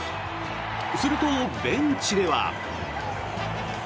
すると、ベンチでは。